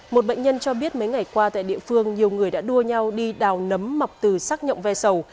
một bệnh nhân cho biết mấy ngày qua tại địa phương nhiều người đã đua nhau đi đào nấm mọc từ sắc nhộng ve sầu